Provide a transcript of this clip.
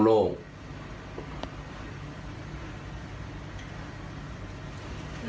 มันอะไร